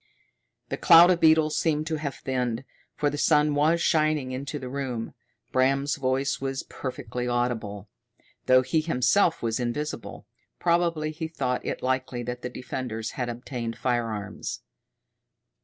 The cloud of beetles seemed to have thinned, for the sun was shining into the room. Bram's voice was perfectly audible, though he himself was invisible; probably he thought it likely that the defenders had obtained firearms.